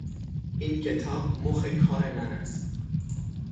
این کتاب مخ کار من است.